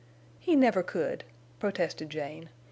"He never could," protested Jane.